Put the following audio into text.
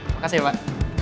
makasih ya pak